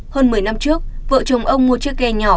hơn một mươi năm trước vợ chồng ông mua chiếc ghe nhỏ